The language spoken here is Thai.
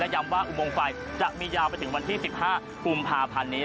ย้ำว่าอุโมงไฟจะมียาวไปถึงวันที่๑๕กุมภาพันธ์นี้